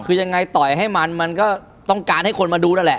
คือยังไงต่อยให้มันมันก็ต้องการให้คนมาดูนั่นแหละ